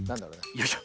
よいしょ。